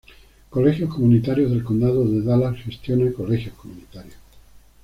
Colegios Comunitarios del Condado de Dallas gestiona colegios comunitarios.